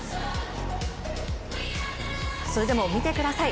それでも見てください。